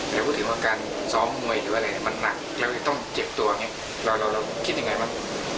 แต่พูดถึงว่าการซ้อมมวยหรืออะไรมันหนักแล้วต้องเจ็บตัวไงเราคิดยังไงมั้ง